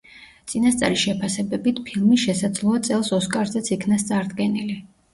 წინასწარი შეფასებებით, ფილმი შესაძლოა წელს ოსკარზეც იქნას წარდგენილი.